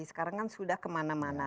sekarang kan sudah kemana mana